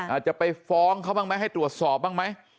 อาจจะไปฟ้องเขาบ้างไหมให้ตรวจสอบบ้างไหม